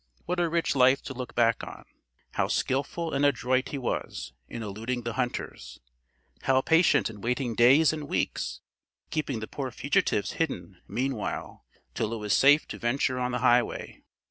What a rich life to look back on! How skilful and adroit he was, in eluding the hunters! How patient in waiting days and weeks, keeping the poor fugitives hidden meanwhile, till it was safe to venture on the highway!